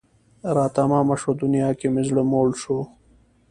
را تمامه شوه دنیا که مې زړه موړ شو